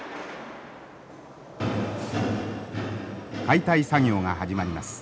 解体作業が始まります。